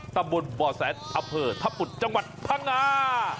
ตำบุลบอร์แซนอเปอร์ทับปุตรจังหวัดพมพังงา